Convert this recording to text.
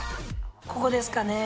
ここですかねー？